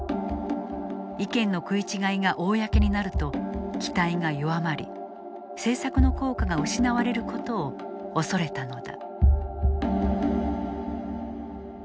意見の食い違いが公になると期待が弱まり政策の効果が失われることを恐れたのだ。